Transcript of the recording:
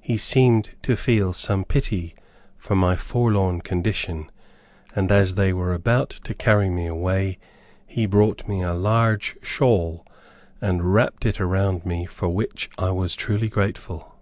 He seemed to feel some pity for my forlorn condition, and as they were about to carry me away he brought a large shawl, and wrapped it around me, for which I was truly grateful.